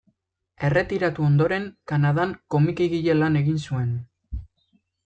Erretiratu ondoren, Kanadan komikigile lan egin zuen.